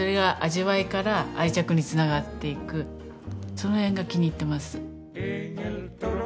その辺が気に入ってます。